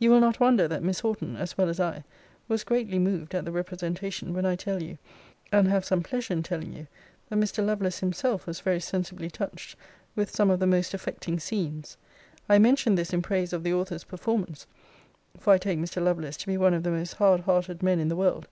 You will not wonder, that Miss Horton, as well as I, was greatly moved at the representation, when I tell you, and have some pleasure in telling you, that Mr. Lovelace himself was very sensibly touched with some of the most affecting scenes. I mention this in praise of the author's performance; for I take Mr. Lovelace to be one of the most hard hearted men in the world.